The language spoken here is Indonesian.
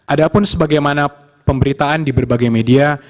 adapun sebagaimana pemberitaan di berbagai media